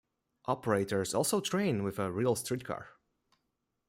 Operators also train with a real streetcar.